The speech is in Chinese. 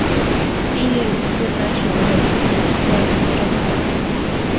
毕业于四川省委党校行政管理。